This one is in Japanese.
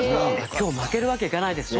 今日負けるわけいかないですね。